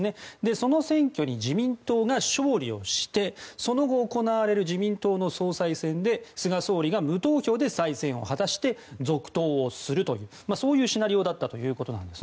その選挙に自民党が勝利をしてその後、行われる自民党の総裁選で菅総理が無投票で再選を果たして続投をするというそういうシナリオだったということです。